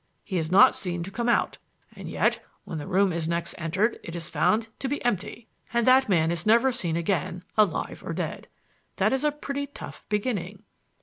He is not seen to come out, and yet, when the room is next entered, it is found to be empty; and that man is never seen again, alive or dead. That is a pretty tough beginning.